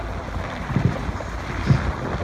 Anda tella teftist?